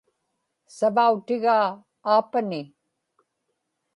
savautigaa aapani